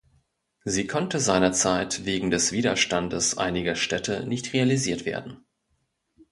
Sie konnte seinerzeit wegen des Widerstandes einiger Städte nicht realisiert werden.